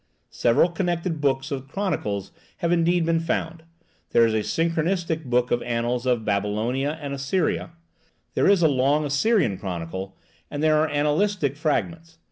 Several connected books of chronicles have indeed been found; there is a synchronistic book of annals of Babylonia and Assyria, there is a long Assyrian chronicle, and there are annalistic fragments.